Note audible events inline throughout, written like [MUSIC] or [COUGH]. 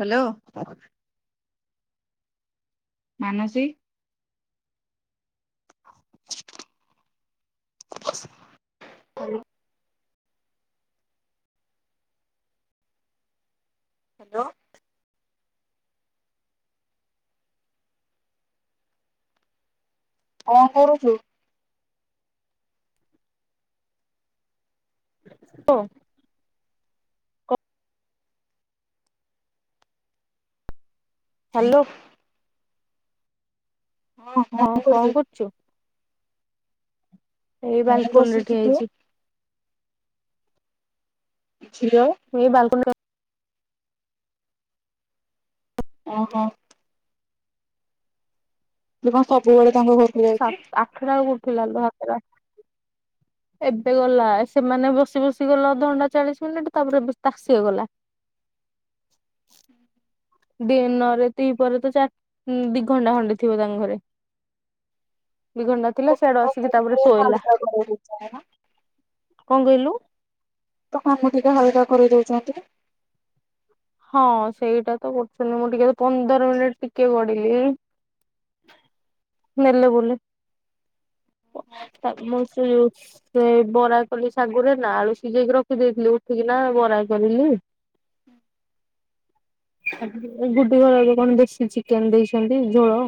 Hello. Manasi ଆ [INAUDIBLE] hello. [INAUDIBLE] କଣ କରୁଛୁ? ହ [INAUDIBLE] ହ୍ୟାଲୋ। ହଁ କଣ କରୁଛୁ? ଏଇ ମୁଁ ବାଲକୁନ ରେ ବସିଛି ଠିଆ ତୁ ହେଇଛି। ଝିଅ। ମୁ ବ ବାଲକନ [UNINTELLIGIBLE] ଓହୋ। ସିଏ କଣ ସବୁବେଳେ ତାଙ୍କ ଘରେ ସ ଆଠଟା ବେଳକୁ ଉଠିଲା [UNINTELLIGIBLE] ଏବେ ଗଲା ସେମାନେ ବସି ବସି ଗଲା ଅଧଘଣ୍ଟା ଚାଳିଶ ମିନିଟ ତାପରେ ତାସିବା ଗଲା। ଦିନରେ ଦୁି ପରେ ତ ଚାରି ଦି ଘଣ୍ଟା ଖଣ୍ଡେ ଥିବ ତା ଘରେ। ଦିଘଣ୍ଟା ଥିଲା ସେଆଡୁ ଆସିକି ତାପରେ ଶୋଇଲା। କଣ କହିଲୁ? ତମକୁ ଟିକେ ହାଲକା କରିଦଉଛନ୍ତି। ହଁ ସେଇଟା ତ କରୁଛନ୍ତି ମୁଁ ଟିକେ ତ ପନ୍ଦର ମିନିଟ ଟିକେ ଗଢିଲି। ନେଲେ ବୋଲେ ମୁଁ ସେ ଯୋଉ ସେ ବରା କଲି ଶାଗୁ ରେ ନା ଆଳୁ ସିଝେଇକି ରଖିଦେଇଥିଲି ଉଠିକି ନା ବରା କରିଲି। ଗୁଡ଼ୁଘର କଣ ଦେଶୀଚିକେନ ଦେଇଛନ୍ତି ଝୋଳ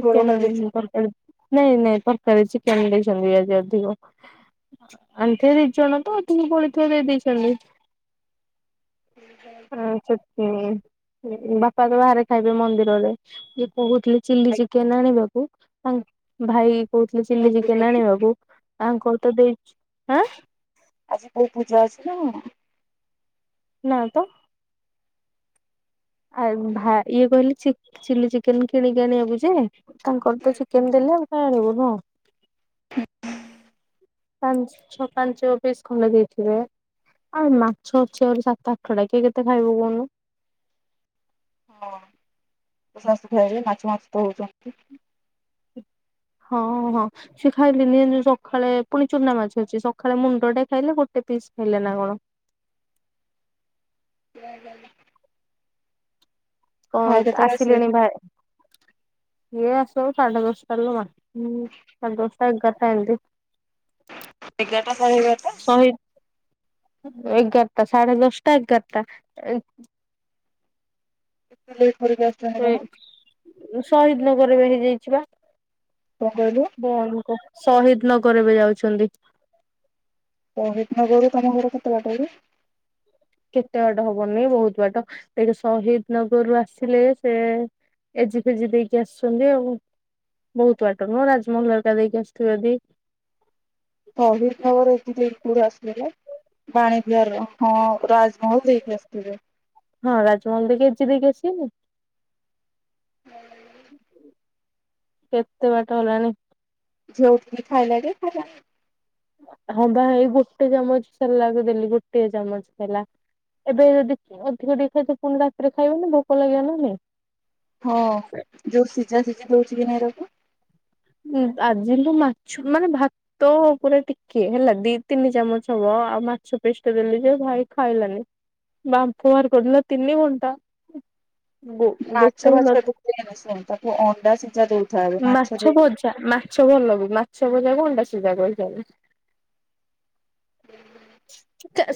ଝୋଳ ଖାଇ ଦଉଛନ୍ତି। ତରକାରୀ ନାଇଁ ନାଇଁ ତରକାରି ଚିକେନ ଦେଇଛନ୍ତି ଆଜି ଅଧିକ। ଆଣଥୀ ଦି ଜଣ ତ ଅଧିକ ବଳିଥିବ ଦେଇ ଦେଇଛନ୍ତି। ହଁ ସତ [UNINTELLIGIBLE] ବାପା ତ ବାହାରେ ଖାଇବେ ମନ୍ଦିରରେ ଦିପୁ କହୁଥିଲେ ଚିଲି ଚିକେନ ଆଣିବାକି। ଭାଇ କହୁଥିଲେ ଚିଲି ଚିକେନ ଆଣିବାକୁ ଆ କ ତ ଦେଇ ଆଁ ଆଜି କୋଉ ପୂଜା ଅଛି ନା? ନା ତ। ଆଉ ଇଏ କହିଲେ ଚିଲି ଚିକେନ କିଣିକି ଆଣିବାକୁ ଯେ ତାଙ୍କର ତ ଚିକେନ ଦେଲେ ଆମେ କାଇ ଆଣିବୁ ପାଞ୍ଚ ଛଅ ପାଞ୍ଚ ପିଶ୍ ଖଣ୍ଡେ ଦେଇଥିବେ। ଆଉ ମାଛ ଅଛି ଆହୁରି ସାତ ଆଠ ଟା କିଏ କେତେ ଖାଇବ କହୁନୁ। ହଁ ତୋ ଶାଶୁ ଖଇବେ ଯେ ମାଛ ମାଛ ତ ହଉଛନ୍ତି। ହଁ ହଁ। ସିଏ ଖାଇଲେନି ଜାଣିଚୁ ସକାଳେ ପୁଣି ଚୁନା ମାଛ ଅଛି। ସକାଳେ ମୁଣ୍ଡ ଟେ ଖାଇଲେ ଗୋଟେ ପିସ୍ ଖାଇଲେ ନା କଣ। ହ କଣ କେତେବେଳେ ଆସିବେ? ଆସିଲେଣି ଭାରେ ଇଏ ଆସୁ ସାଢେ ଦଶଟା ଲୋ ମା ସାଢେ ଦଶଟା ଏଗାରଟା ଏମତି। ଏଗାରଟା ସାଢ଼େ ଏଗାରଟା? ଏଇ ଏଗାରଟା ସାଢେ ଦଶଟା ଏଗାରଟା ଏଇ [UNINTELLIGIBLE] ସେ ସହିଦ ନଗରରେ ବି ହେଇଯାଇଛି ବା। କଣ କହିଲୁ? ଶହିଦ ନଗର ଏବେ ଯାଉଛନ୍ତି। ଶହିଦ୍ ନଗରରୁ ତମ ଘର କେତେ ବାଟ କି? କେତେ ବାଟ ହବନି ବହୁତ ବାଟ ଦେଖେ ଶହିଦ ନଗରରୁୁ ଆସିଲେ ସେ ଏଜି ଫେଜି ଦେଇକି ଆସୁଛନ୍ତି ଆଉ। ବହୁତ୍ ବାଟ ନୁହଁ ରାଜମହଲ ହେରିକା ଦେଇକି ଆସୁଥିବେ ଯଦି ଶହିଦ୍ ନଗର ଏଜି ଦେଇକି କୋଉଠି ଆସୁଥିବେ। ବାଣୀବିହାର ହଁ ରାଜମହଲ ଦେଇକି ଆସୁଥିବେ। ହଁ ରାଜମହଲ୍ ଦେଇକି ଏଜି ଦେଇକି ଆସିବେନି କି। କେତେବାଟ ହେଲାଣି। ଝିଅ ଉଠିକି ଖାଇଲାକି ଖାଇଲାନି? ହଁ ବା ଏଇ ଗୋଟେ ଚାମଚ ସେରଲାକ୍ ଦେଲି ଗୋଟେ ଚାମଚ ଖାଇଲା। ଏବେ ଯଦି ଅଧିକ ଟିକେ ଖାଇଥିବ ପୁଣି ରାତିରେ ଖାଇବନି ଭୋକ ଲାଗିବ ନା ନାହିଁ? ହଁ ଯୋଉ ସିଝା ସିଝି ଦଉଚୁ କି ନାଇଁ ତାକୁ? ଆଜି ଲୋ ମାଛ ମାନେ ଭା ତ ଉପରେ ଟିକେ ହେଲା ଦି ତିନି ଚାମଚ୍ ହବ ଆଉ ମାଛ ପିଶ୍ଟେ ଦେଲି ଯେ ଭାଇ ଖାଇଲାନି। ବାମ୍ପ ବାହାର କରିଦେଲା ତିନି ଘଣ୍ଟା। ଗୋ ଗୋଟେ ମାଛ ବି ନ ଫାଛ ଏତେ ଦେନା ଶୁଣୁ ତାକୁ ଅଣ୍ଡା ସିଝା ଦେ। ମାଛ ଭଜା ମାଛ ଭଲ ବି ମାଛ ଭଜାକୁ ଅଣ୍ଡା ସିଜା କହିଛନ୍ତି।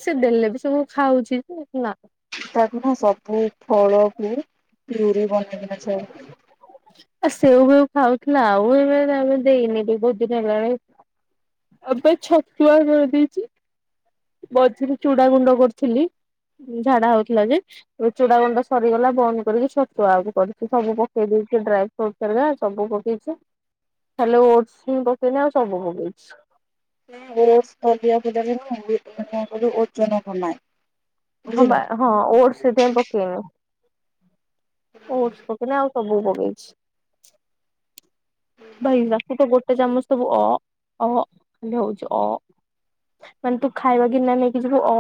ସେ ଦେଲେ ବି ସବୁ ଖାଉଛି ଯେ ନା। ତାକୁ ନା ସବୁ ଫଳକୁ ପ୍ୟୁରି ବନେଇକିନା ଛାଣେ। ଆ ସେଉ ଫେଉ ଖାଉଥିଲା ଆଉ ଏବେ ତା ବି ଦେଇନି ବହୁତ୍ ଦିନ ହେଲାଣି। ଏବେ ଛତୁଆ କରିଦେଇଚି। ମଝିରେ ଚୁଡାଗୁଣ୍ଡ କରୁଥିଲି ଝାଡା ହଉଥିଲା ଯେ। ଚୁଡାଗୁଣ୍ଡ ସରିଗଲା ବନ୍ଦ କରିକି ଛତୁଆକୁ କରୁଚି ସବୁ ପକେଇ ଦେଇଚି ଡ୍ରାଏ ଫ୍ରୁଟ୍ସ ସବୁ ପକେଇଚି ଖାଲି ଓଟସ୍ ହିଁ ପକେଇନି ଆଉ ସବୁ ପକେଇଚି। ଓଟ୍ସ୍ [UNINTELLIGIBLE] ଦବୁନି। [UNINTELLIGIBLE] କଣ କହିଲୁ ଓଜନ କମାଏ। ହଁ ବୁଝିଲୁ ବା ହଁ ଓଟ୍ସ୍ ସେଥିପାଇଁ ପକେଇନି। ଓଟ୍ସ୍ ପକେଇନି ଆଉ ସବୁ ପକେଇଛି। ଭାଇ ତାକୁ ତୁ ଗୋଟେ ଚାମଚ୍ ଦବୁ ଅ-ଅ ଖାଲି ହଉଛି ଅ। ମାନେ ତୁ ଖାଇବା ଗିନା ନେଇକି ଯିବୁ ଅ।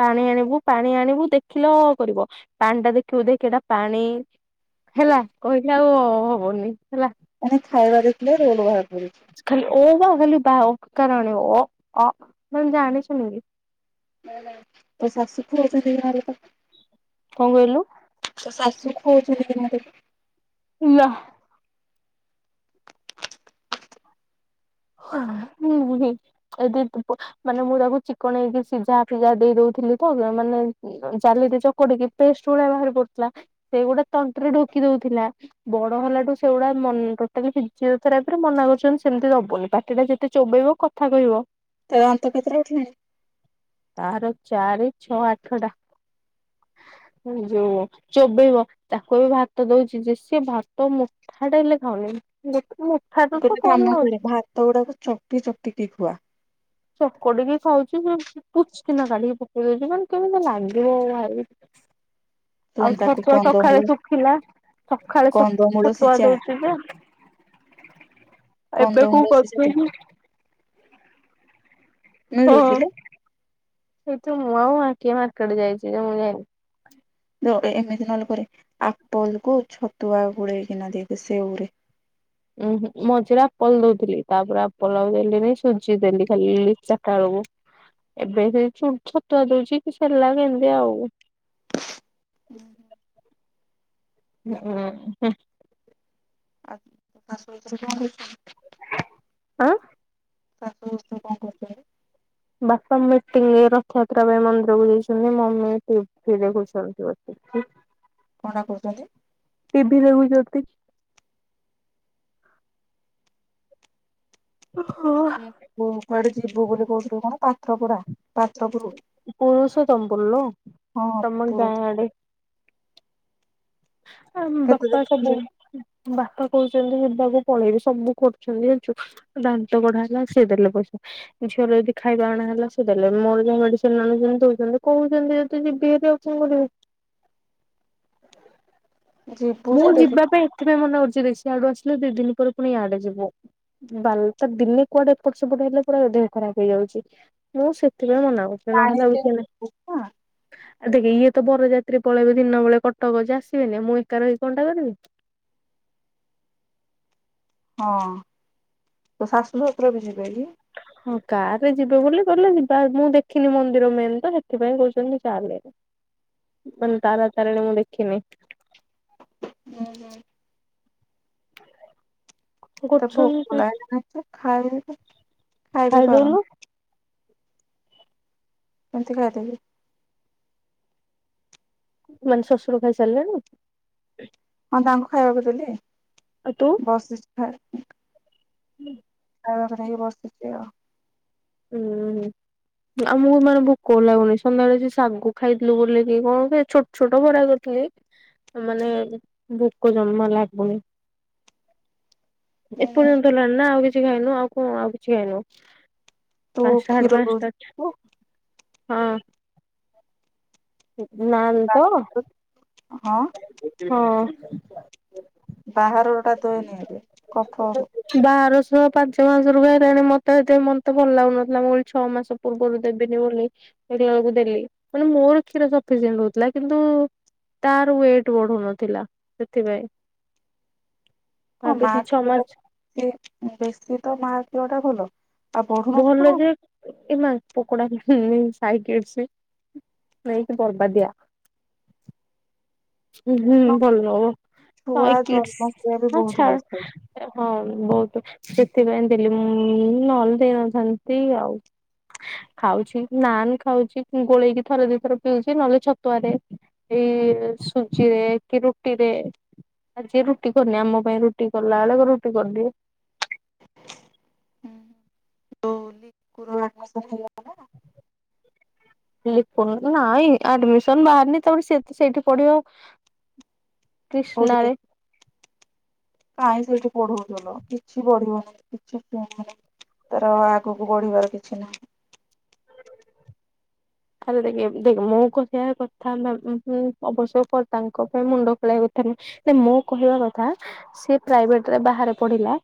ପାଣି ଆଣିବୁ ପାଣି ଆଣିବୁ ଦେଖିଲେ ଅ କରିବ। ପାଣିଟା ଦେଖିବୁ ଦେଖ୍ ଏଟା ପାଣି ହେଲା କହିଲେ ଆଉ ଅ ହବନି ହେଲା। ଏଠି ଖାଇବା ଦେଖିଲେ ରୋଲ ବାହାର କରିବ। ଖାଲି ଓ ବା ଖାଲି ବା ଅକାର ଆଣିବ ଅ ଆ ମାନେ ଜାଣିଶୁଣିକି। ତୋ ଶାଶୁକି ଆଜି ଘରେ ତ କଁ କହିଲୁ? ତୋ ଶାଶୁ ଖୋଉଚନ୍ତି କେମତି ଲୋ? ନାଁ। ଉଁ ନୁହେଁ। ଏଇଦି ତୁ ପୁ ମାନେ ମୁଁ ତାକୁ ଚିକଣେଇକି ସିଝା ଫିଝା ଦେଇ ଦଉଥୁଲି ତ ମାନେ ଦୁ ଜାଲିରେ ଚକଡିକି ପେଷ୍ଟ ଭଳିଆ ବାହାରି ପଡୁଥୁଲା, ସେଇଗୁଡା ତଣ୍ଟରେ ଢୋକି ଦଉଥୁଲା। ବଡ଼ ହେଲାଠୁ ସେଉଡା ମନ୍ ଟୋଟାଲି ଫିଜିଓଥେରାପିରେ ମନା କରୁଚନ୍ତି ସେମତି ଦବୁନି। ପାଟିଟା ଯେତେ ଚୋବେଇବ କଥା କହିବ। ତା ଦାନ୍ତ କେତେଟା ଉଠିଲାଣି? ଆହାର ଚାରି ଛଅ ଆଠଟା। ଉଁ ଯୋଉ ଚୋବେଇବ ତାକୁ ଏବେ ଭାତ ଦଉଚି ଯେ ସିଏ ଭାତ ମୋ ଠାଟେ ହେଲେ ଖାଉନେଇ ଦେଖି ମୁଠାକୁ ତ କମ୍ ନଉଚି। ଧତ ଉଡାକ ଚକଟି ଚକଟି କି ଖୁଆ। ଚକଟିକି ଖାଉଚି ଯେ ଇ ପୁଚକିନା କାଢି଼କି ପକେଇ ଦଉଚି ମାନେ କେମିତି ଲାଗିବ ଭାଇ। ଏବଂ ଆଉ ତାକୁ ଛତୁଆ ସଖାଳେ କନ୍ଦମୂଳ ଶୁଖିଲା ସଖାଳେ ଛ କନ୍ଦମୂଳ ଛତୁଆ ସିଝା ଦଉଚି ଯେ। ଏବେ କୋଉ କନ୍ଦମୂଳ ସିଝା କରୁଛି ଦେ। ହୁଁ ମିଳୁଚିଲୋ ଏଇତ ମୁ ଆଉ ମା କିଏ ମାର୍କେଟ ଯାଇଚି ଯେ ମୁଁ ଯାଇନି। ଦ ଏ ଏମିତି ନହେଲେ କରେ ଆପଲକୁ ଛତୁଆ ଗୋଳେଇକିନା ଦେଇଦେ ସେଉରେ। ଉଁ ହୁଁ ମଝିରେ ଆପଲ ଦଉଥୁଲି ତାପରେ ଆପଲ ଆଉ ଦେଲିିନେଇ ସୁଜି ଦେଲି ଖାଲି ଚାରିଟା ଅଳୁକୁ। ଏବେ ସେ ଚୁ ଛତୁଆ ଦୋଉଚି କି ସେର୍ଲାକ ଏମତି ଆଉ। ଉଁ ହୁଁ। ହଁ ହୁଁ। ଆ ତୋ ଶାଶୁ ଶଶୁର କଁ କରୁଛନ୍ତି? ଆଁ? ଶାଶୁ ଶଶୁର କଁ କ ବାପା ମିଟିଙ୍ଗି ରଥଯାତ୍ରା ପାଇଁ ମନ୍ଦିରକୁ ଯାଇଛନ୍ତି ମମି ଟି ଭି ଦେଖୁଛନ୍ତି ବସି। ହୁଁ। କଁ ଟା କରୁଚନ୍ତି? ଟି ଭିି ଦେଖୁଚନ୍ତି। ଓହୋ। ଓ କୁଆଡ଼େ ଯିବୁ ବୋଲି କହୁଥୁଲୁ କଣ ପାତ୍ର ପଡ଼ା? ପାତ୍ରପରୁ ପୁରୁଷୋତ୍ତମପୁର ଲୋ ହଁ ତମ ପୁରୁ। ଗାଁ ଆଡେ ଆ କେତେ ବାପା ଦିନ ସବୁ ବାପା କୋହୁଚନ୍ତି ହେବାଜି ପଳେଇବି ସବୁ କରୁଚନ୍ତି ଜାଣିଚୁ। ଦାନ୍ତ କଢ଼ା ହେଲା ସିଏ ଦେଲେ ପଇସା। ଝିଅର ଯଦି ଖାଇବା ଅଣା ହେଲା ସେ ଦେଲେ ମୋର ଯହା ମେଡ଼ିସିନ୍ ଆଣୁଚନ୍ତି ଦୋଉଚନ୍ତି କୋହୁଚନ୍ତି ଯଦି ଯିବି ହାରି ଆଉ। ଚି ଲାଗି ଯିବୁ ମୁଁ ଯେ ଦେଖି ଯିବା ପାଇଁ ଏଥିପାଇଁ ମନା କରୁଚି ଦେଖ୍ ସିଆଡୁ ଆସିଲେ ଦି ଦିନ ପରେ ପୁଣି ଇଆଡ଼େ ଯିବୁ। ବାଲ୍ ତ ଦିନେ କୁଆଡ଼େ ଏପଟ ସେପଟ ହେଲେ ପୁରା ଦେହ ଖରାପ ହେଇଯାଉଚି। ମୁଁ ସେଥିପାଇଁ ମନା କରୁଚି ପାଣି ନହେଲେ ଆଉ କିଛି ନାଇଁ। ହଁ ଆଉ ଦେଖେ ଇଏ ତ ବରଯାତ୍ରୀ ପଳେଇବ ଦିନ ବେଳେ କଟକ ଯେ ଆସିବେନି, ମୁଁ ଏକା ରହିକି କଣ୍ଟା କରିବି। ହଁ, ତୋ ଶାଶୁ ଶଶୁର ବି ଯବେ କି? ହଁ କାର ରେ ଯିବେ ବୋଲି କହିଲେ ଯିବା, ମୁଁ ଦେଖିନି ମନ୍ଦିର ମେନ ତ ସେଥିପାଇଁ କହୁଛନ୍ତି ଚାଲେ। [UNINTELLIGIBLE] ମାନେ ତାରା ତାରିଣୀ ମୁଁ ଦେଖିନି। ହୁଁ ହୁଁ ମୋତେ ଭୋକ କରୁଛନ୍ତି ଲାଗିଲାଣି ତ ଖାଇବି ତ ଖାଇଦଉନୁ? କେମିତି ଖାଇଦେବି? ମାନେ ଶଶୁର ଖାଇସାରିଲେଣି? ହଁ ତାଙ୍କୁ ଖାଇବାକୁ ଦେଲି। ଆଉ ତୁ? ବସିଛି ଖାଇନି ବ ହୁଁ ଖାଇବାକୁ ଦେଇକି ବସିଛି ଆଉ। ହୁଁ ହୁଁ ଆମକୁ ମାନେ ଭୋକ ଲାଗୁନି ସନ୍ଧ୍ୟାବେଳେ ସେ ଶାଗୁ ଖାଇଥିଲୁ ବୋଲିକି କଣ ଯେ, ଛୋ ଛୋଟ ବରା କରିଥିଲି। ମାନେ ଭୋକ ଜମା ଲାଗୁନି। ଏପର୍ଯ୍ୟନ୍ତ ହେଲାଣି ନା ଆଉ କିଛି ଖାଇନୁ ଆଉ କଣ ଆଉ କିଛି ଖାଇନୁ। ତୁ ପାଞ୍ଚଟା କ୍ଷୀର ସାଢ଼େ ଦଉଛୁ ପାଞ୍ଚଟା ହଁ। ଯିବି ନା ବାହାରକୁ ହଁ ହଁ ବାହାର ରୋଟା ଦେନି ଏବେ କଫ ହେବ। ବାରଶହ ପାଞ୍ଚ ମାସକୁ ଏଇରା ମତେ ଏତେ ମତେ ଭଲ ଲାଗୁନଥିଲା ମୁଁ କହିଲି ଛଅ ମାସକୁ। ପୂର୍ବରୁ ଦେବିନି ବୋଲି ଦେଖିଲା ବେଳକୁ ଦେଲି ମାନେ ମୋର କ୍ଷୀର ସଫିସେଣ୍ଟ ହଉଥିଲା କିନ୍ତୁ ତାର ୱେଟ ବଢୁନଥିଲା ସେଥିପାଇଁ। ହଁ ମା ଭାବିଥିଲି ଛଅ କ୍ଷୀର ମାସ ବି ବେଶୀ ତ ମା କ୍ଷୀର ଟା ଭଲ। ଆଉ ବଢୁ ଭଲ ନଥିଲା ଲେ କଣ ଯେ ଏ ମା ପକୋଡା ସାଇକଡସି ନେଇକି ବର୍ବା ଦିଆ। ହୁ ହୁଁ ଭଲ ନୁହଁ ଛୁଆ ସାଇକିଡସ୍ ଜନ୍ମ କରିବା ବି ହଁ ବହୁତ ଛାଡ୍। କଷ୍ଟ। ଆରେ ହଁ ବହୁତ ସେଥିପାଇଁ ଦେଲି ମୁଁ ନହଲେ ଦେଇନଥାନ୍ତି ଆଉ। ଖାଉଛି ନାନ ଖାଉଛି ଗୋଳେଇକି ଥରେ ଦିଇ ଥର ପିଉଛି ନହେଲେ ଛତୁଆରେ ଏଇ ସୁଜିରେ କି ରୁଟିରେ। ଆଜି ରୁଟି କରନି ଆମ ପାଇଁ ରୁଟି କଲା ବେଳକୁ ରୁଟି କରିଦିଏ। [UNINTELLIGIBLE] ହେଲାନା? ଲିପନ ନାଇଁ ଆଡମିସନ ବାହାରନି ତାପରେ ସେ ସେଇଠି ପଢିବ। କ୍ରିଷ୍ଣାରେ କାଉଠିକି? କାହିଁ ସେଇଠି ପଢ଼ଉଥଲ କିଛି ପଢ଼ିବନି କିଛି ଶୁଣନି। ତାର ଆଗକୁ ବଢିବାର କିଛି ନାହିଁ। ତାହାଲେ ଦେଖେ ଦେଖ ମୁଁ କହିବା କଥା ହେଲା ମୁଁ ଅବଶ୍ୟକ ତାଙ୍କ ପାଇଁ ମୁଣ୍ଡ ଖୋଳେଇବା କଥା ନୁହେଁ। ନାଇଁ ମୁଁ କହିବା କଥା ସେ ପ୍ରାଇଭେଟରେ ବାହାରେ ପଢିଲା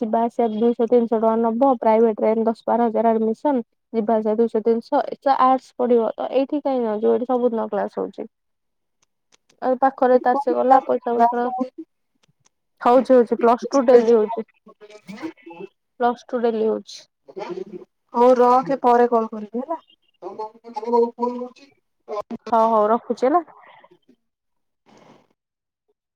ଯିବା ଆସିବା ଦୁଇଶହ ତିନିଶହ ଟଙ୍କା ନବ ପ୍ରାଇଭେଟରେ ଏଇନ ଦଶ ବାର ହଜାର ଆଡମିସନ ଯିବା ଆସିବା ଦୁଇ ଶହ ତିନି ଶହ ଏତ ଆର୍ଟସ ପଢିବ ତ ଏଇଠି କାହିଁ ଯୋଉ ଏଠି ସବୁଦିନ କ୍ଲାସ ହଉଛି। ଆଉ ପାଖରେ ତାର ସେ ଗଲା ପଇସା ପତର ହଉଛି ହଉଛି ପ୍ଲସ୍ ଟୁ ଡେଲି ହଉଛି ପ୍ଲ ଟୁ ଡେଲି ହଉଛି। ହଉ ରଖେ ପରେ କଲ କରିବି ହେଲା। ତମ ଫୋନ୍ କୁ ଫୋନ୍ କରୁଚି ହଉ ହଉ ର ଖୁଛି ହେଲା।